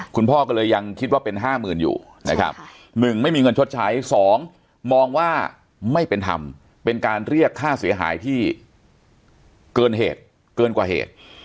คุณพ่อก็เลยยังคิดว่าเป็น๕๐๐๐อยู่นะครับ๑ไม่มีเงินชดใช้๒มองว่าไม่เป็นธรรมเป็นการเรียกค่าเสียหายที่เกินเหตุเกินกว่าเหตุ